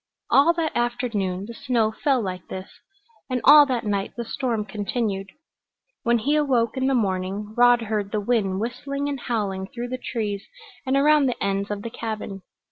All that afternoon the snow fell like this, and all that night the storm continued. When he awoke in the morning Rod heard the wind whistling and howling through the trees and around the ends of the cabin.